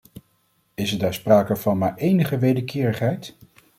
Is er daar sprake van maar enige wederkerigheid?